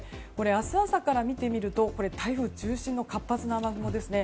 明日朝から見てみると台風中心の活発な雨雲ですね。